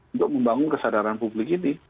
untuk membangun kesadaran publik ini